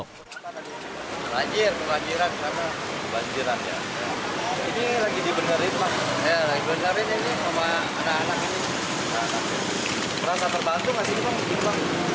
kepala anak anak ini rasa terbantu gak sih